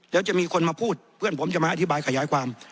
แล้วจะมีคนมาพูดเพื่อนผมจะมาอธิบายขยายความ